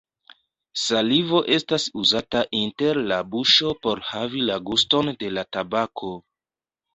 Salivo estas uzata inter la buŝo por havi la guston de la tabako.